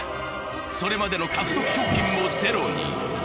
それまでの獲得賞金もゼロに。